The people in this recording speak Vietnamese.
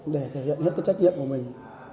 để thể hiện hết cái trách nhiệm của mình